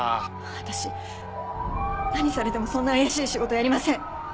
私何されてもそんな怪しい仕事やりません。